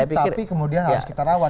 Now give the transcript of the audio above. tapi kemudian harus kita rawat